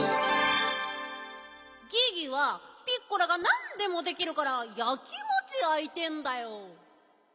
ギギはピッコラがなんでもできるからやきもちやいてんだよ。